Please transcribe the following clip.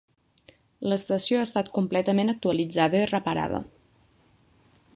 L'estació ha estat completament actualitzada i reparada.